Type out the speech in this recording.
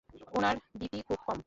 উনার বিপি খুব কম।